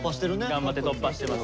頑張って突破してます。